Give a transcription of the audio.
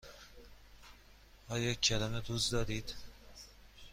آیا کرم روز دارید؟